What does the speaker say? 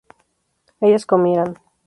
ellas comieran